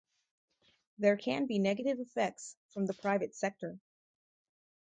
There can be negative effects from the private sector.